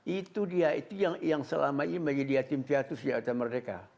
itu dia itu yang selama ini menjadi atim tiatus di atas mereka